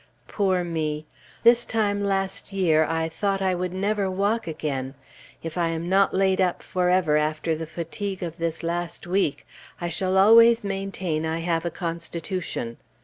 Poor me! This time last year I thought I would never walk again! If I am not laid up forever after the fatigue of this last week, I shall always maintain I have a Constitution.